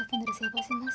telepon dari siapa sih mas